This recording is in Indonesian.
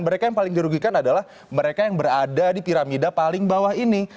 mereka yang paling dirugikan adalah mereka yang berada di piramida paling bawah ini